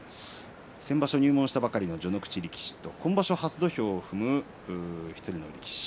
先場所入門したばかりの序ノ口力士と今場所初土俵を踏む１人の力士